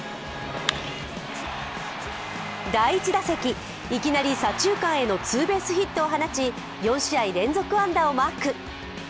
第１打席、いきなり左中間へのツーベースヒットを放ち、４試合連続安打をマーク。